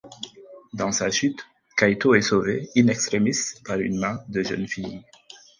Dans sa chute, Kaito est sauvé in extremis par une main de jeune fille.